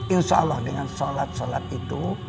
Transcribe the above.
insya allah dengan sholat sholat itu